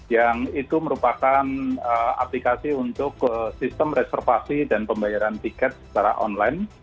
yang itu merupakan aplikasi untuk sistem reservasi dan pembayaran tiket secara online